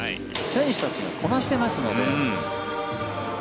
選手たちもこなしてますので。